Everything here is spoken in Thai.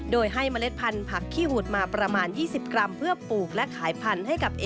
โดยให้เมล็ดพันธุ์ผักขี้หัวมาประมาณ๒๐กรัม